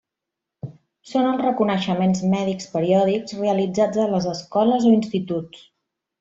Són els reconeixements mèdics periòdics realitzats a les escoles o instituts.